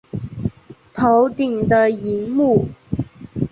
头顶的萤幕